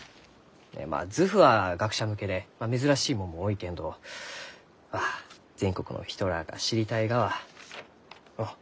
まあ図譜は学者向けで珍しいもんも多いけんどまあ全国の人らあが知りたいがはのう？